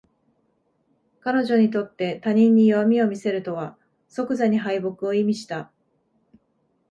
彼女にとって他人に弱みを見せるとは即座に敗北を意味した